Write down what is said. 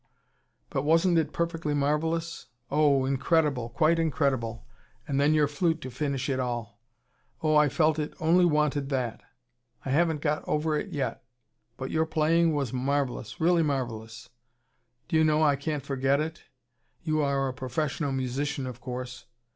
But wasn't it perfectly marvellous! Oh, incredible, quite incredible! And then your flute to finish it all! Oh! I felt it only wanted that. I haven't got over it yet. But your playing was MARVELLOUS, really marvellous. Do you know, I can't forget it. You are a professional musician, of course."